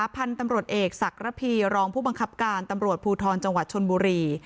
พันธุ์ตำรวจเอกศักระพีรองผู้บังคับการตำรวจภูทรจังหวัดชนบุรี